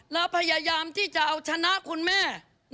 แล้วพยายามที่จะเอาชนะคุณแม่